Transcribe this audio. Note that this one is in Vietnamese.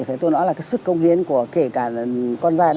thì tôi nói là cái sức công hiến của kể cả con gái